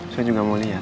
saya juga mau lihat